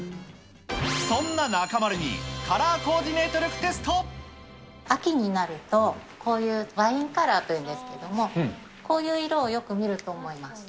そんな中丸にカラーコーディ秋になると、こういうワインカラーというんですけれども、こういう色をよく見ると思います。